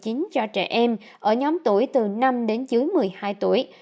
covid một mươi chín cho trẻ em ở nhóm tuổi từ năm đến dưới một mươi hai tuổi